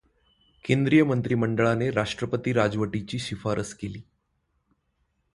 केंद्रीय मंत्रिमंडळाने राष्ट्रपती राजवटीची शिफारस केली.